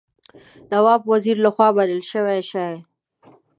نواب وزیر له خوا ومنل شي.